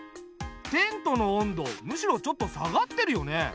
テントの温度むしろちょっと下がってるよね。